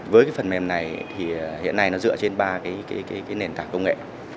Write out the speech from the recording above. với phần mềm này hiện nay nó dựa trên ba nền tảng công nghệ